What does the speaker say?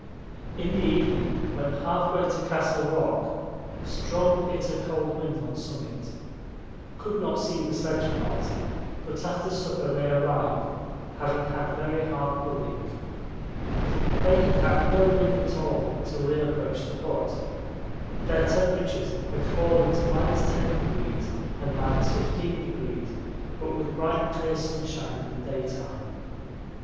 In the evening went half way to Castle Rock; strong bitter cold wind on summit. Could not see the sledge party, but after supper they arrived, having had very hard pulling. They had had no wind at all till they approached the hut. Their temperatures had fallen to 10° and 15°, but with bright clear sunshine in the daytime.